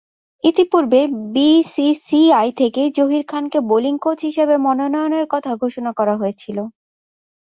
এরপূর্বে বিসিসিআই থেকে জহির খানকে বোলিং কোচ হিসেবে মনোনয়নের কথা ঘোষণা করা হয়েছিল।